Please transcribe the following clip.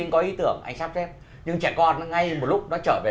cho những người